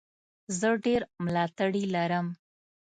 زه ډېر ملاتړي لرم.